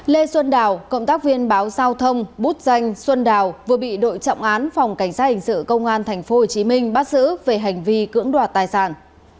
lê xuân đào cộng tác viên báo giao thông bút danh xuân đào vừa bị đội trọng án phòng cảnh sát hình sự công an tp hcm bắt giữ về hành vi cưỡng đoạt tài sản